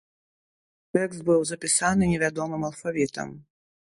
Тэкст быў запісаны невядомым алфавітам.